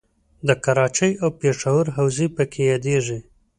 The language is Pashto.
د کراچۍ او پېښور حوزې پکې یادیږي.